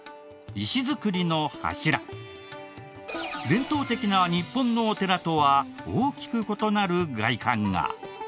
伝統的な日本のお寺とは大きく異なる外観が。